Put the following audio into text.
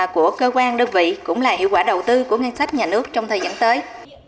của cơ quan đơn vị cũng là hiệu quả đầu tư của ngân sách nhà nước trong thời gian tới